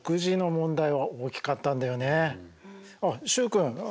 あっ習君